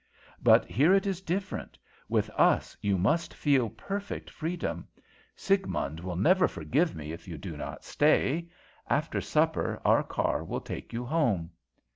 "'But here it is different. With us you must feel perfect freedom. Siegmund will never forgive me if you do not stay. After supper our car will take you home.'